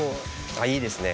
あっいいですね。